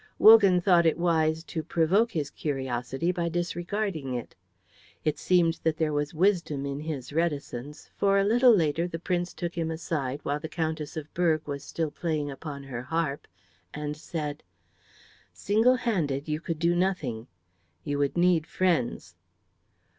Wogan thought it wise to provoke his curiosity by disregarding it. It seemed that there was wisdom in his reticence, for a little later the Prince took him aside while the Countess of Berg was still playing upon her harp, and said, "Single handed you could do nothing. You would need friends."